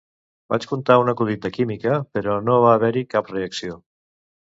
Vaig contar un acudit de química, però no va haver-hi cap reacció